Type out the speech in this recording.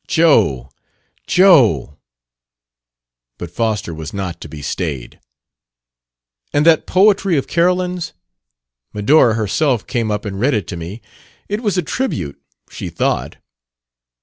"Joe! Joe!" But Foster was not to be stayed. "And that poetry of Carolyn's! Medora herself came up and read it to me. It was a 'tribute,' she thought!"